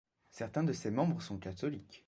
Certains de ses membres sont catholiques.